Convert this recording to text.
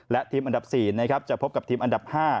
และทีมอันดับ๔นะครับจะพบกับทีมอันดับ๕